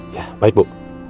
ya baik bu